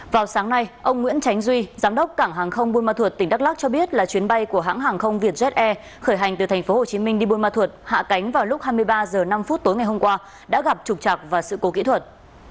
vào sáng nay ông nguyễn tránh duy giám đốc cảng hàng không buôn ma thuột tỉnh đắk lắc cho biết là chuyến bay của hãng hàng không vietjet air khởi hành từ tp hcm đi buôn ma thuột hạ cánh vào lúc hai mươi ba h năm tối ngày hôm qua đã gặp trục trạc và sự cố kỹ thuật